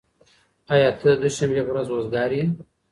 ايا ته د دوشنبې په ورځ وزګار يې؟